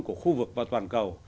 của khu vực và toàn cầu